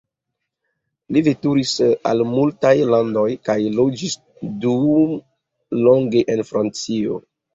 Li veturis al multaj landoj kaj loĝis dumlonge en Francio.